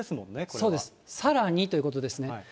そうです、さらにということですね。